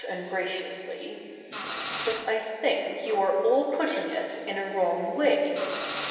iv ungraciously, ' but I think you are all putting it in a wrong way.